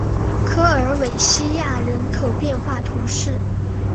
科尔韦西亚人口变化图示